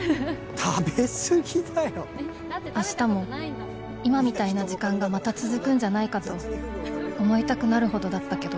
食べ過ぎだよ明日も今みたいな時間がまた続くんじゃないかと思いたくなるほどだったけど